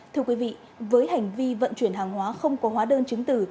thưa quý vị với hành vi vận chuyển hàng hóa không có hóa đơn chứng tử